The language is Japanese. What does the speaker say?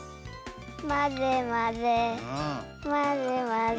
まぜまぜまぜまぜ！